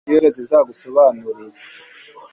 n'inyoni zo mu kirere zizagusobanurire